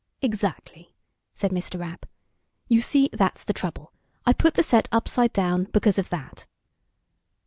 "Exactly," said Mr. Rapp. "You see, that's the trouble. I put the set upside down because of that."